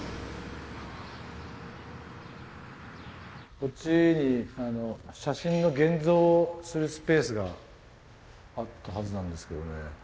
こっちに写真の現像するスペースがあったはずなんですけどね。